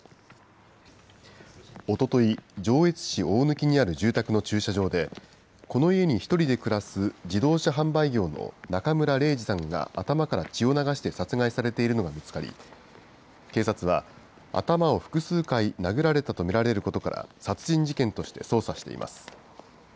おととい、上越市大貫にある住宅の駐車場で、この家に１人で暮らす自動車販売業の中村礼治さんが頭から血を流して殺害されているのが見つかり、警察は、頭を複数回殴られたと見られることから、殺人事件として捜査しています。